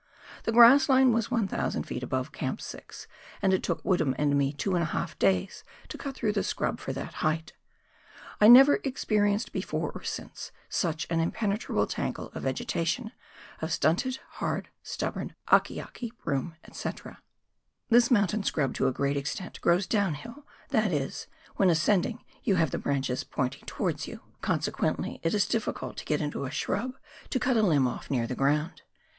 The grass line was 1,000 ft. above Camp 6, and it took Woodham and me two and a half days to cut through the scrub for that height. I never expe rienced before or since such an impenetrable tangle of vegeta tion, of stunted, hard, stubborn akeake, broom, &c. This mountain scrub, to a great extent, grows downhill, that is, when ascending you have the branches pointing towards you, 70 PIONEER WORK IN THE ALPS OF NEW ZEALAND. consequently it is difficult to get into a shrub to cut a limb off near the ground.